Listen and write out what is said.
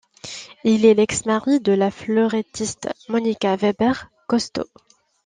Il est l'ex-mari de la fleurettiste Monika Weber-Koszto.